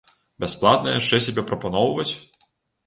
Бясплатна яшчэ сябе прапаноўваць?